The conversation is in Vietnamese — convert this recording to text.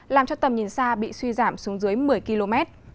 làm cho tầm nhìn xa bị suy giảm xuống dưới một mươi km